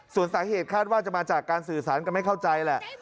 ส่วนสาเหตุคาดว่าจะมาจากการสื่อสารกันไม่เข้าใจแหละ